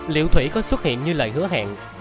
liệu thủy có xuất hiện như lời hứa hắn